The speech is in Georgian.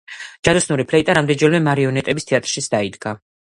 ჯადოსნური ფლეიტა რამდენიმეჯერ მარიონეტების თეატრშიც დაიდგა.